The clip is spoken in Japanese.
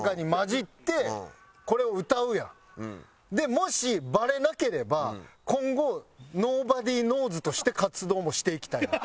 もしバレなければ今後ｎｏｂｏｄｙｋｎｏｗｓ＋として活動もしていきたいねん。